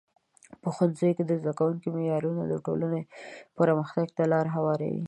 په ښوونځیو کې د زده کړو معیارونه د ټولنې پرمختګ ته لار هواروي.